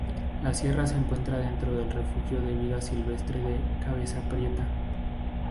La sierra se encuentra dentro del refugio de vida silvestre de Cabeza Prieta.